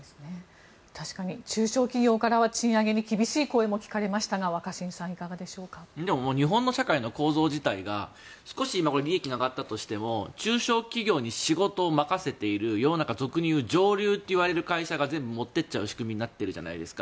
確かに中小企業からは賃上げに厳しい声も聞かれましたが日本の社会の構造自体が少し利益が上がったとしても中小企業に仕事を任せている世の中で俗にいう上流と呼ばれる会社が全部持って行っちゃうわけじゃないですか。